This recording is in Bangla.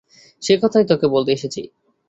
সেই কথাই তোকে বলতে এসেছি।